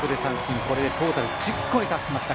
これでトータル１０個に達しました。